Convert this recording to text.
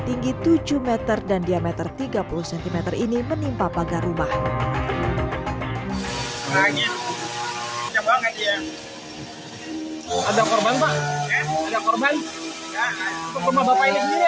tinggi tujuh meter dan diameter tiga puluh cm ini menimpa pagar rumah menganggap